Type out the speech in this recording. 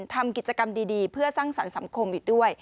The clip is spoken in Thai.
ทำกิจกรรมดีเพื่อสร้างสรรค์สังคมอีกด้วย